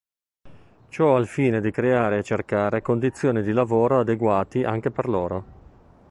Ciò al fine di creare e cercare condizioni di lavoro adeguati anche per loro.